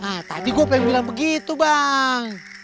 ah tadi gue pengen bilang begitu bang